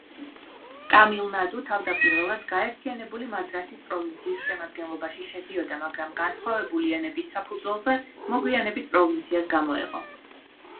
ტამილნადუ თავდაპირველად გაერთიანებული მადრასის პროვინციის შემადგენლობაში შედიოდა, მაგრამ განსხვავებული ენების საფუძველზე მოგვიანებით პროვინციას გამოეყო.